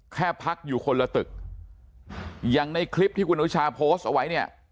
แค่พักอยู่คนละตึกอย่างในคลิปที่คุณอนุชาโพสต์เอาไว้เนี่ย